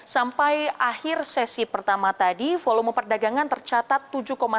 sampai akhir sesi pertama tadi volume perdagangan tercatat